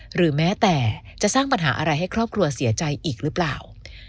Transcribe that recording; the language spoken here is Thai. หรือแม้แต่จะสร้างปัญหาอะไรให้ครอบครัวเสียใจอีกหรือเปล่า